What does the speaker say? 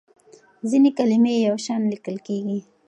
ځینې کلمې یو شان لیکل کېږي.